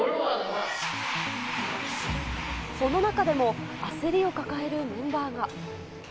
その中でも、焦りを抱えるメンバーが。